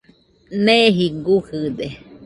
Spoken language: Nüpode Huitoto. Neeji gujɨde.